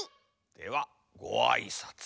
ではごあいさつ。